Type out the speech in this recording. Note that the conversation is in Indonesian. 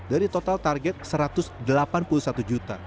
dari total target satu ratus delapan puluh satu juta